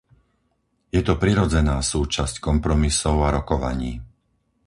Je to prirodzená súčasť kompromisov a rokovaní.